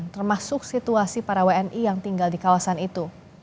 termasuk situasi para wni yang tinggal di kawasan itu